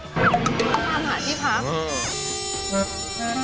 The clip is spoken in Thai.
ตามหาที่พัก